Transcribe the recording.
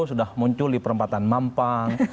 sudah muncul di perempatan mampang